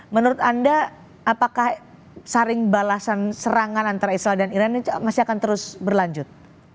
menurut anda apakah saring balasan serangan antara israel dan iran ini masih akan terus berlanjut